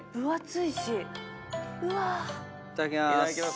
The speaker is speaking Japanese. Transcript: いただきます。